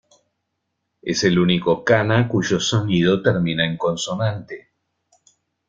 Es el único kana cuyo sonido termina en consonante.